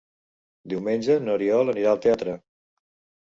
Diumenge n'Oriol anirà al teatre.